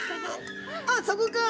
「あそこか」